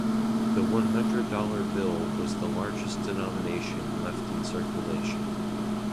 The one-hundred-dollar bill was the largest denomination left in circulation.